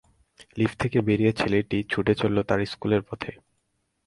Lift থেকে বেরিয়ে ছেলেটি ছুটে চলল তার স্কুলের পথে।